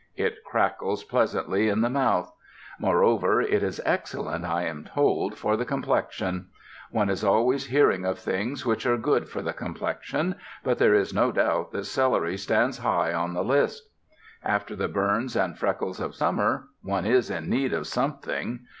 It crackles pleasantly in the mouth. Moreover it is excellent, I am told, for the complexion. One is always hearing of things which are good for the complexion, but there is no doubt that celery stands high on the list. After the burns and freckles of summer one is in need of something.